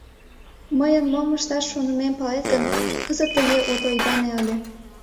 Мыйын мом ышташ шонымем палет гын, кызыт тыге от ойгане ыле.